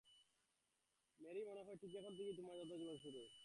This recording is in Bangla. মেরী, মনে হয়, ঠিক এখন থেকেই তোমার যথার্থ জীবন শুরু।